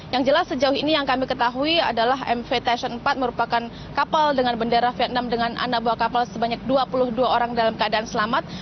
yang jelas sejauh ini yang kami ketahui adalah mv tason empat merupakan kapal dengan bendera vietnam dengan anak buah kapal sebanyak dua puluh dua orang dalam keadaan selamat